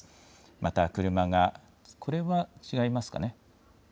また車が、これは違いますかね。